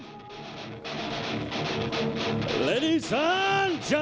สวัสดีทุกคน